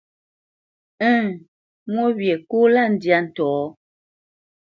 Ə̂ŋ mwô wyê kó lâ ndyâ ntɔ̌.